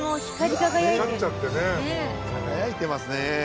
輝いてますね。